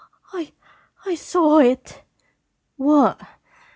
I saw it." "What?"